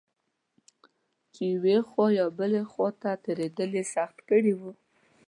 چې یوې خوا یا بلې خوا ته تېرېدل یې سخت کړي و.